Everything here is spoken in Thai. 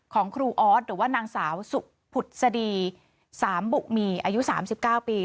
ของครูออสหรือว่านางสาวสุขพุษฎี๓บุคมีอายุ๓๙ปี